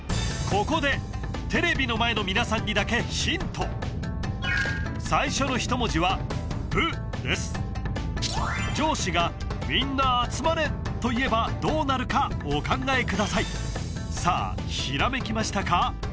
ここでテレビの前の皆さんにだけヒント最初の１文字は「ぶ」です上司がみんな集まれ！！と言えばどうなるかお考えくださいさあ閃きましたか？